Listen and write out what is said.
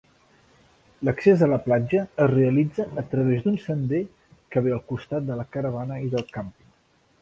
L'accés a la platja es realitza a través d'un sender que ve al costat de la caravana i del càmping.